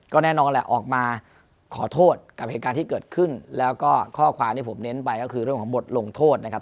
แน่นอนแหละออกมาขอโทษกับเหตุการณ์ที่เกิดขึ้นแล้วก็ข้อความที่ผมเน้นไปก็คือเรื่องของบทลงโทษนะครับ